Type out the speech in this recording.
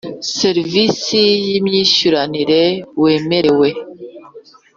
Serivisi Y Imyishyuranire Wemerewe